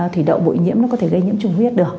thủy đậu bội nhiễm nó có thể gây nhiễm chủng huyết được